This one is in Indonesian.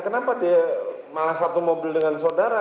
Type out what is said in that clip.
kenapa dia malah satu mobil dengan saudara